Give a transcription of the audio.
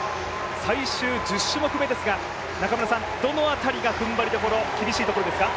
最終１０種目目ですが、どの辺りが踏ん張りどころ、厳しいところですか？